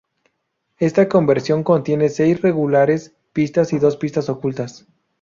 Esta conversión contiene seis regulares pistas y dos pistas ocultas.